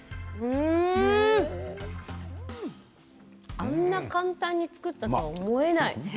あんなに簡単に作ったとは思えない。